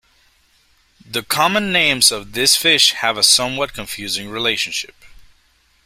The common names of this fish have a somewhat confusing relationship.